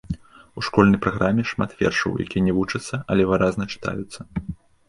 У школьнай праграме шмат вершаў, якія не вучацца, але выразна чытаюцца.